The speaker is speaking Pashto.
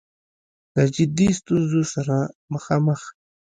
د جدي ستونځو سره مخامخ